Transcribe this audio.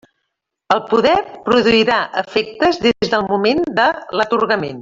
El poder produirà efectes des del moment de l'atorgament.